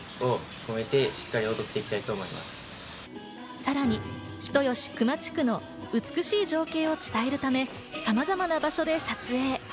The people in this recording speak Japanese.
さらに、人吉・球磨地区の美しい情景を伝えるため、さまざまな場所で撮影。